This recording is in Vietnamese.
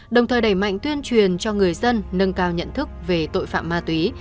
đồng thời đẩy mạnh tuyên truyền cho người dân nâng cao nhận thức về tội phạm ma túy